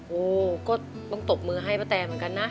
โอ้ก็ต้องตบมือให้ป้าแตเหมือนกันนะ